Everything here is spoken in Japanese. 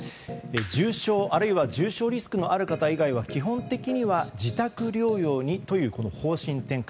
重症あるいは重症リスクのある方以外は基本的には自宅療養にという方針転換。